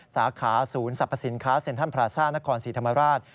สาขาศูนย์สรรพสินค้าเซ็นทรัลพราซ่านครศรีธรรมราช